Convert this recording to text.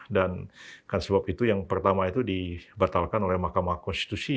dan sebab itu yang pertama itu dibatalkan oleh mahkamah konstitusi